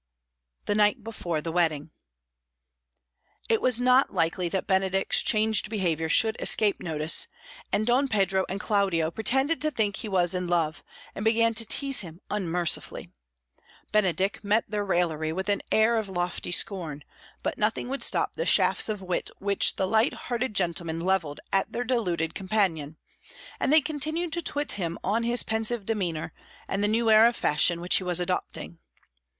The Night before the Wedding It was not likely that Benedick's changed behaviour should escape notice, and Don Pedro and Claudio pretended to think he was in love, and began to tease him unmercifully. Benedick met their raillery with an air of lofty scorn, but nothing would stop the shafts of wit which the light hearted gentlemen levelled at their deluded companion, and they continued to twit him on his pensive demeanour, and the new air of fashion which he was adopting.